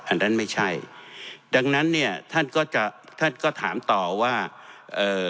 อันนั้นไม่ใช่ดังนั้นเนี่ยท่านก็จะท่านก็ถามต่อว่าเอ่อ